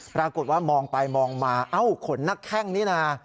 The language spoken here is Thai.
ปรากฏว่ามองไปมองมาเอ้าขนนักแข้งนี่นะ